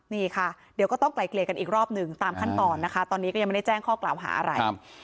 นี่ค่ะเดี๋ยวก็ต้องไกลเกลียกันอีกรอบหนึ่งตามขั้นตอนนะคะตอนนี้ก็ยังไม่ได้แจ้งข้อกล่าวหาอะไร